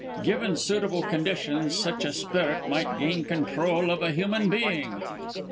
Given suitable conditions, such a spirit might gain control of a human being."